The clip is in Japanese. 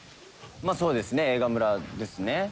まあそうですね